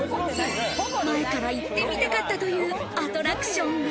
前から行ってみたかったというアトラクションが。